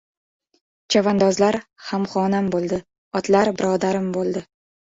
chavandozlar — hamxonam bo‘ldi, otlar — birodarim bo‘ldi.